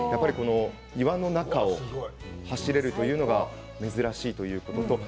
岩の中を走るのが珍しいということ。